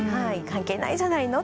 「関係ないじゃないの？